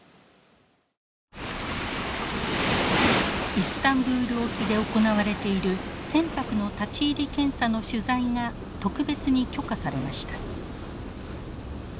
イスタンブール沖で行われている船舶の立ち入り検査の取材が特別に許可されました。